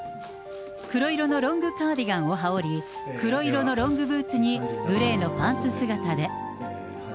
黒色のロングカーディガンを羽織り、黒色のロングブーツにグレーのパンツ姿で。